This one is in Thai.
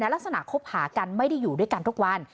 ลักษณะคบหากันไม่ได้อยู่ด้วยกันทุกวัน